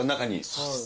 そうです。